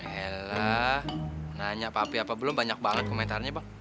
ella nanya papi apa belum banyak banget komentarnya bang